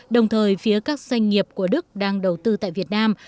đồng thời phía các doanh nghiệp của đức đang đầu tư tại việt nam